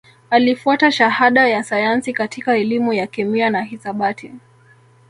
Alifuata Shahada ya Sayansi katika Elimu ya Kemia na Hisabati